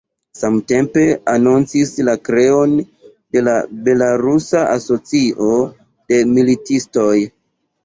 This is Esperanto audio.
Samtempe anoncis la kreon de la belarusa asocio de militistoj.